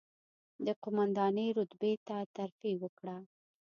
د قوماندانۍ رتبې ته ترفېع وکړه،